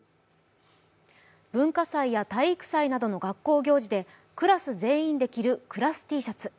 文化祭や体育祭などの学校行事でクラス全員で着るクラスＴシャツ。